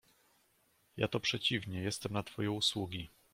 "ja to przeciwnie jestem na twoje usługi."